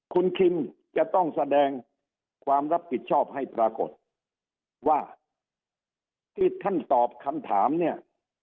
คุณคิมจะต้องแสดงความรับผิดชอบให้ปรากฏว่าที่ท่านตอบคำถามเนี่ย